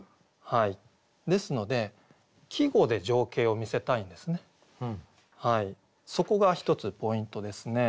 ですのでそこが１つポイントですね。